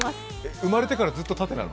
生まれてからずっと縦なの？